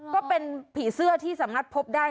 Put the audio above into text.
ก็เป็นผีเสื้อที่สามารถพบได้